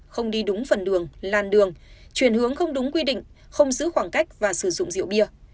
không đi đúng phần đường làn đường chuyển hướng không đúng quy định không giữ khoảng cách và sử dụng rượu bia